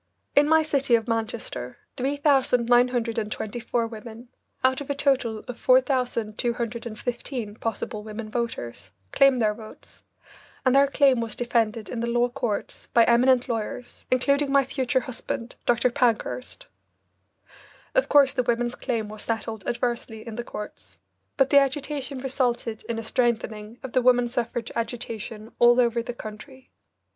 In my city of Manchester 3,924 women, out of a total of 4,215 possible women voters, claimed their votes, and their claim was defended in the law courts by eminent lawyers, including my future husband, Dr. Pankhurst. Of course the women's claim was settled adversely in the courts, but the agitation resulted in a strengthening of the woman suffrage agitation all over the country.